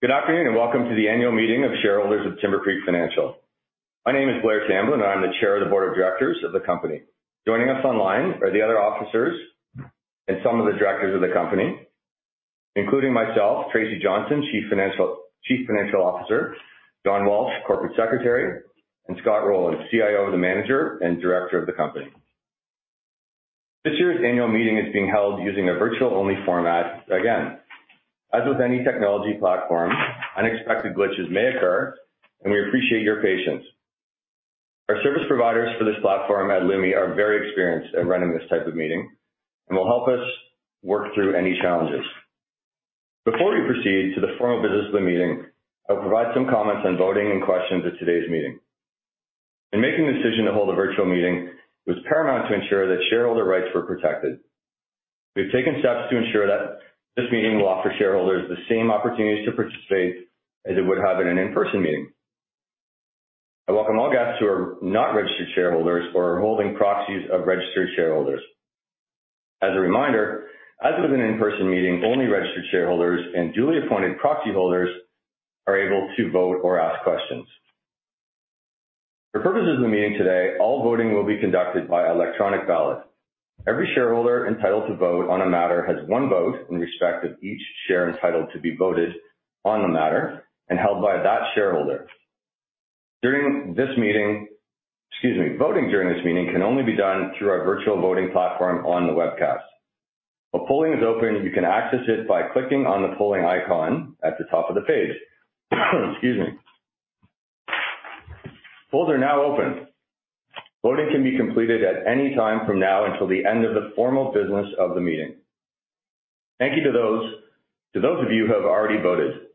Good afternoon, welcome to the annual meeting of shareholders of Timbercreek Financial. My name is Blair Tamblyn, and I'm the chair of the board of directors of the company. Joining us online are the other officers and some of the directors of the company, including myself, Tracy Johnston, chief financial officer, John Walsh, Corporate Secretary, and Scott Rowland, CIO of the manager and director of the company. This year's annual meeting is being held using a virtual-only format again. As with any technology platform, unexpected glitches may occur, and we appreciate your patience. Our service providers for this platform at Lumi are very experienced at running this type of meeting and will help us work through any challenges. Before we proceed to the formal business of the meeting, I'll provide some comments on voting and questions at today's meeting. In making the decision to hold a virtual meeting, it was paramount to ensure that shareholder rights were protected. We've taken steps to ensure that this meeting will offer shareholders the same opportunities to participate as it would have in an in-person meeting. I welcome all guests who are not registered shareholders or are holding proxies of registered shareholders. As a reminder, as with an in-person meeting, only registered shareholders and duly appointed proxy holders are able to vote or ask questions. For purposes of the meeting today, all voting will be conducted by electronic ballot. Every shareholder entitled to vote on a matter has one vote in respect of each share entitled to be voted on the matter and held by that shareholder. Excuse me. Voting during this meeting can only be done through our virtual voting platform on the webcast. When polling is open, you can access it by clicking on the polling icon at the top of the page. Excuse me. Polls are now open. Voting can be completed at any time from now until the end of the formal business of the meeting. Thank you to those of you who have already voted.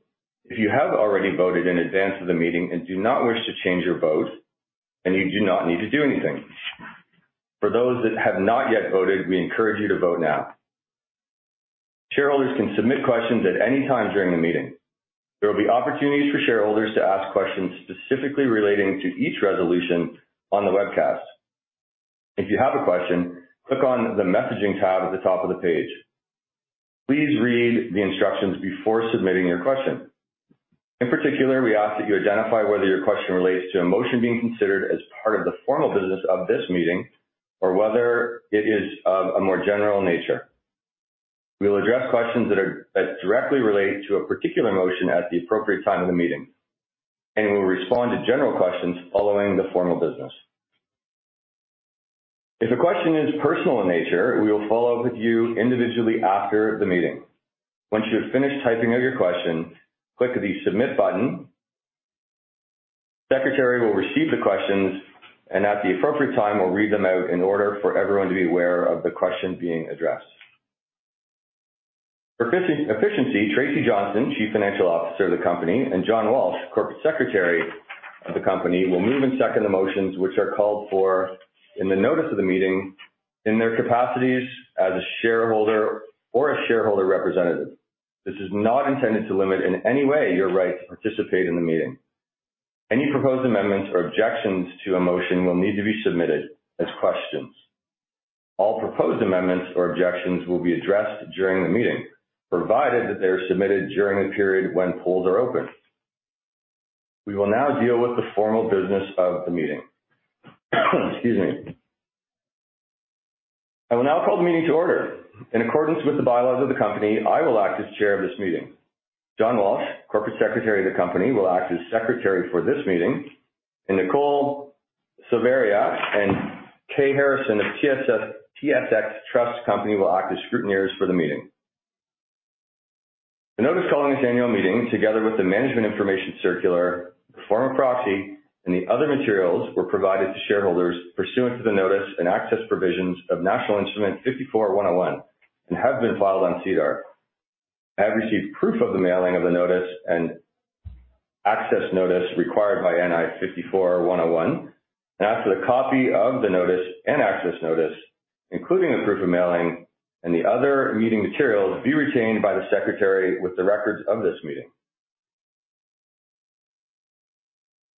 If you have already voted in advance of the meeting and do not wish to change your vote, then you do not need to do anything. For those that have not yet voted, we encourage you to vote now. Shareholders can submit questions at any time during the meeting. There will be opportunities for shareholders to ask questions specifically relating to each resolution on the webcast. If you have a question, click on the messaging tab at the top of the page. Please read the instructions before submitting your question. In particular, we ask that you identify whether your question relates to a motion being considered as part of the formal business of this meeting or whether it is of a more general nature. We will address questions that directly relate to a particular motion at the appropriate time of the meeting, and we will respond to general questions following the formal business. If a question is personal in nature, we will follow up with you individually after the meeting. Once you have finished typing out your question, click the Submit button. Secretary will receive the questions and at the appropriate time, will read them out in order for everyone to be aware of the question being addressed. For efficiency, Tracy Johnston, Chief Financial Officer of the company, and John Walsh, Corporate Secretary of the company, will move and second the motions which are called for in the notice of the meeting in their capacities as a shareholder or a shareholder representative. This is not intended to limit in any way, your right to participate in the meeting. Any proposed amendments or objections to a motion will need to be submitted as questions. All proposed amendments or objections will be addressed during the meeting, provided that they are submitted during the period when polls are open. We will now deal with the formal business of the meeting. Excuse me. I will now call the meeting to order. In accordance with the bylaws of the company, I will act as chair of this meeting. John Walsh, corporate secretary of the company, will act as secretary for this meeting, and Nicole Silveira and Kay Harrison of TSX Trust Company, will act as scrutineers for the meeting. The notice calling this annual meeting, together with the management information circular, the form of proxy, and the other materials were provided to shareholders pursuant to the notice and access provisions of National Instrument 54-101, and have been filed on SEDAR. I have received proof of the mailing of the notice and access notice required by NI 54-101, and ask that a copy of the notice and access notice, including the proof of mailing and the other meeting materials, be retained by the secretary with the records of this meeting.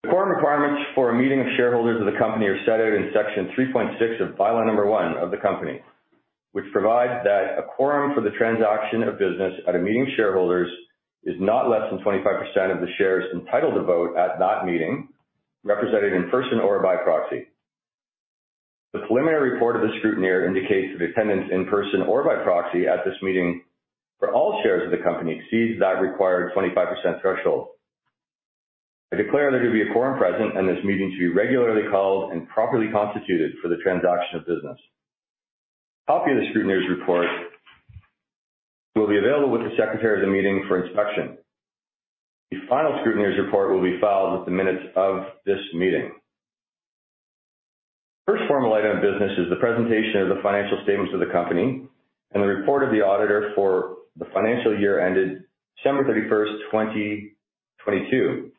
The quorum requirements for a meeting of shareholders of the company are set out in Section 3.6 of By-law No. 1 of the company, which provides that a quorum for the transaction of business at a meeting of shareholders is not less than 25% of the shares entitled to vote at that meeting, represented in person or by proxy. The preliminary report of the scrutineer indicates that attendance in person or by proxy at this meeting for all shares of the company exceeds that required 25% threshold. I declare there to be a quorum present and this meeting to be regularly called and properly constituted for the transaction of business. A copy of the scrutineer's report will be available with the secretary of the meeting for inspection. The final scrutineer's report will be filed with the minutes of this meeting. First formal item of business is the presentation of the financial statements of the company and the report of the auditor for the financial year ended December 31st, 2022.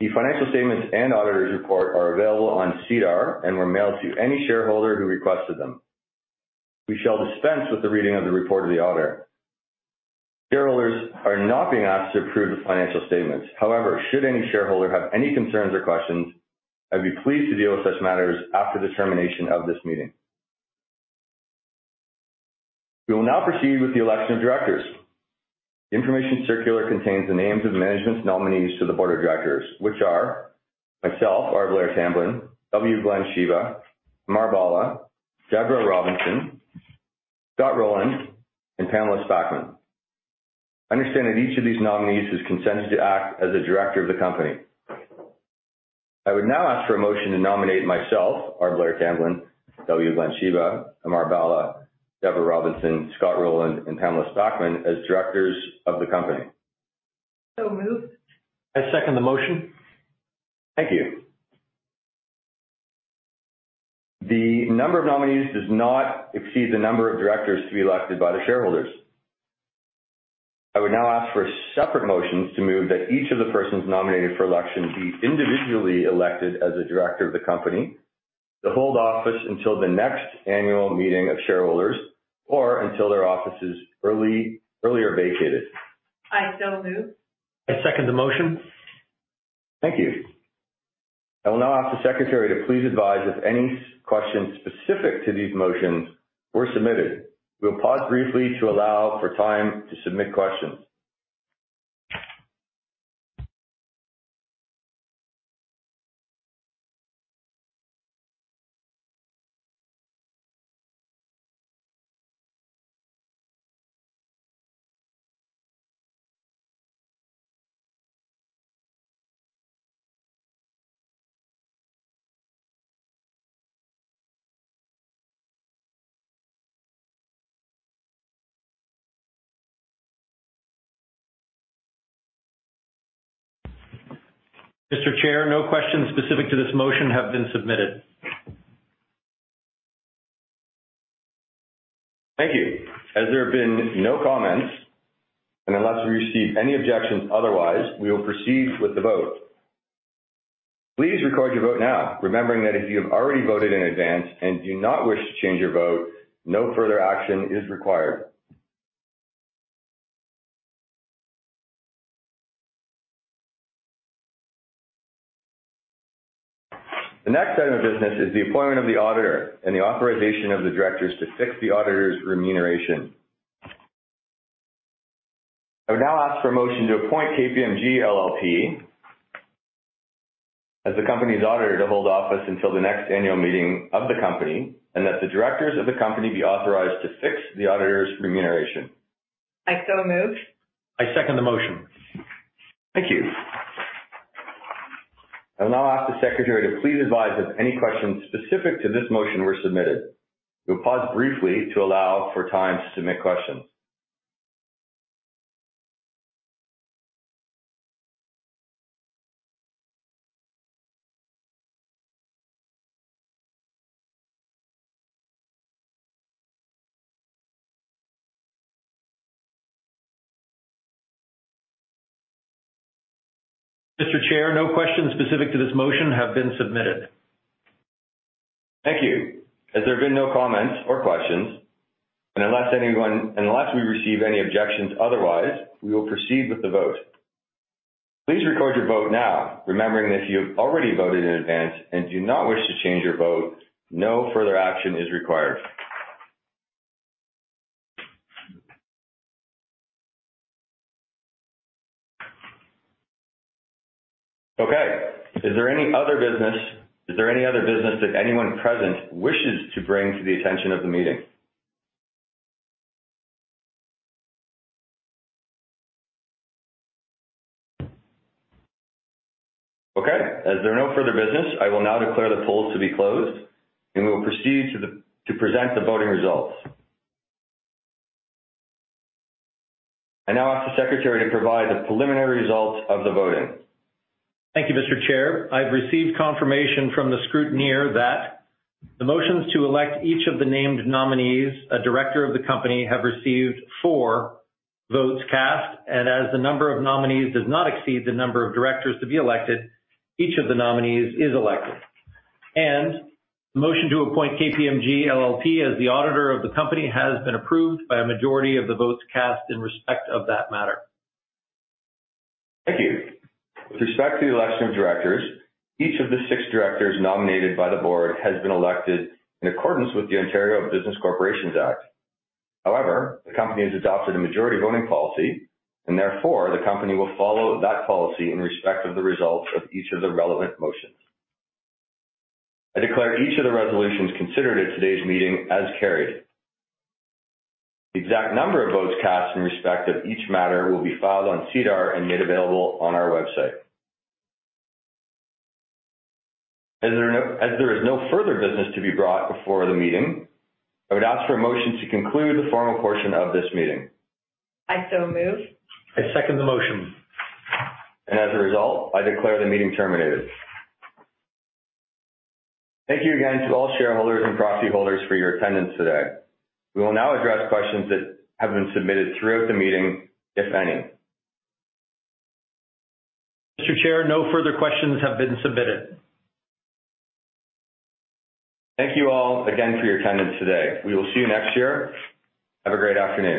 The financial statements and auditor's report are available on SEDAR and were mailed to any shareholder who requested them. We shall dispense with the reading of the report of the auditor. Shareholders are not being asked to approve the financial statements. Should any shareholder have any concerns or questions, I'd be pleased to deal with such matters after the termination of this meeting. We will now proceed with the election of directors. The information circular contains the names of management's nominees to the board of directors, which are myself, R. Blair Tamblyn, W. Glenn Shyba, Amar Bhalla, Deborah Robinson, Scott Rowland, and Pamela Spackman. I understand that each of these nominees has consented to act as a director of the company. I would now ask for a motion to nominate myself, R. Blair Tamblyn, W. Glenn Shyba, Amar Bhalla, Deborah Robinson, Scott Rowland, and Pamela Spackman as directors of the company. Moved. I second the motion. Thank you. The number of nominees does not exceed the number of directors to be elected by the shareholders. I would now ask for separate motions to move that each of the persons nominated for election be individually elected as a director of the company, to hold office until the next annual meeting of shareholders, or until their office is earlier vacated. I so move. I second the motion. Thank you. I will now ask the secretary to please advise if any questions specific to these motions were submitted. We'll pause briefly to allow for time to submit questions. Mr. Chair, no questions specific to this motion have been submitted. Thank you. As there have been no comments, and unless we receive any objections otherwise, we will proceed with the vote. Please record your vote now, remembering that if you have already voted in advance and do not wish to change your vote, no further action is required. The next item of business is the appointment of the auditor and the authorization of the directors to fix the auditor's remuneration. I would now ask for a motion to appoint KPMG LLP as the company's auditor, to hold office until the next annual meeting of the company, and that the directors of the company be authorized to fix the auditor's remuneration. I so move. I second the motion. Thank you. I will now ask the secretary to please advise if any questions specific to this motion were submitted. We'll pause briefly to allow for time to submit questions. Mr. Chair, no questions specific to this motion have been submitted. Thank you. Unless we receive any objections otherwise, we will proceed with the vote. Please record your vote now, remembering if you have already voted in advance and do not wish to change your vote, no further action is required. Is there any other business that anyone present wishes to bring to the attention of the meeting? As there are no further business, I will now declare the polls to be closed. We will proceed to present the voting results. I now ask the secretary to provide the preliminary results of the voting. Thank you, Mr. Chair. I've received confirmation from the scrutineer that the motions to elect each of the named nominees, a director of the company, have received 4 votes cast, and as the number of nominees does not exceed the number of directors to be elected, each of the nominees is elected. The motion to appoint KPMG LLP as the auditor of the company has been approved by a majority of the votes cast in respect of that matter. Thank you. With respect to the election of directors, each of the six directors nominated by the board has been elected in accordance with the Ontario Business Corporations Act. However, the company has adopted a majority voting policy, and therefore, the company will follow that policy in respect of the results of each of the relevant motions. I declare each of the resolutions considered at today's meeting as carried. The exact number of votes cast in respect of each matter will be filed on SEDAR and made available on our website. As there is no further business to be brought before the meeting, I would ask for a motion to conclude the formal portion of this meeting. I so move. I second the motion. As a result, I declare the meeting terminated. Thank you again to all shareholders and proxy holders for your attendance today. We will now address questions that have been submitted throughout the meeting, if any. Mr. Chair, no further questions have been submitted. Thank you all again for your attendance today. We will see you next year. Have a great afternoon.